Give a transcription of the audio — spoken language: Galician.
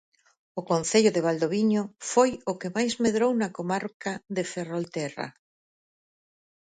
O concello de Valdoviño foi o que máis medrou na comarca de ferrolterra